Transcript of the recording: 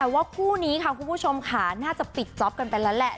แต่ว่าคู่นี้ค่ะคุณผู้ชมค่ะน่าจะปิดจ๊อปกันไปแล้วแหละ